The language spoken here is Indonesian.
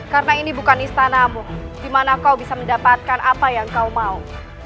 karena ini bukan istanamu di mana kau bisa mendapatkan apa yang kau mau